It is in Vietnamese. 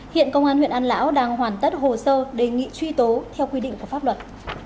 hiện công an huyện an lão đang hoàn tất hồ sơ đề nghị truy tố theo quy định của pháp luật